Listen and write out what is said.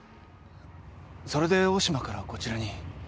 それで大島からこちらに。